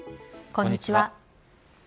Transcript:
こんにちは。